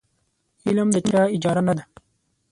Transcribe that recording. علم د چا اجاره نه ده.